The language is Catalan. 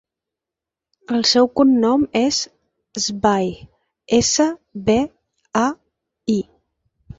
El seu cognom és Sbai: essa, be, a, i.